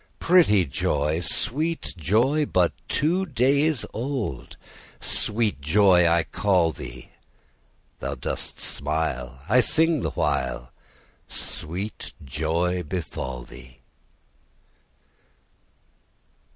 Pretty joy! Sweet joy, but two days old. Sweet joy I call thee: Thou dost smile, I sing the while; Sweet joy befall thee!